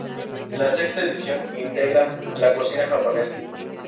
La sexta edición integra la cocina japonesa.